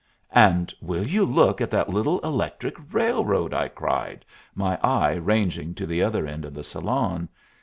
"And will you look at that little electric railroad!" I cried, my eye ranging to the other end of the salon.